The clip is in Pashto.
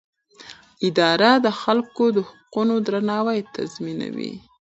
اداره د خلکو د حقونو درناوی تضمینوي.